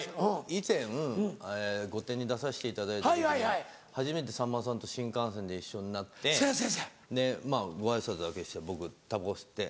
以前『御殿‼』に出させていただいた時に初めてさんまさんと新幹線で一緒になってご挨拶だけして僕たばこ吸って。